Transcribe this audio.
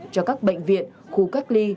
cho các bệnh viện khu cách ly